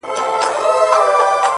خو د چا يو ويښته له سر ايستلی نه و’